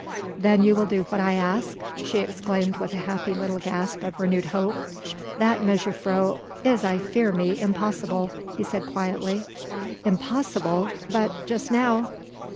"Then you will do what I ask?" she exclaimed with a happy little gasp of renewed hope. "That, mejuffrouw, is I fear me impossible," he said quietly. "Impossible? But just now...."